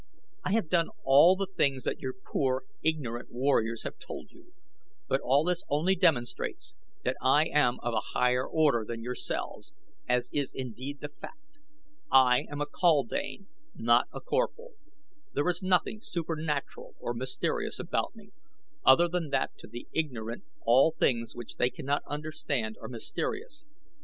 I have done all the things that your poor, ignorant warriors have told you; but this only demonstrates that I am of a higher order than yourselves, as is indeed the fact. I am a kaldane, not a Corphal. There is nothing supernatural or mysterious about me, other than that to the ignorant all things which they cannot understand are mysterious.